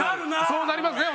そうなりますね